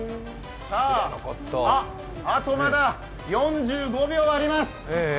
あとまだ４５秒あります。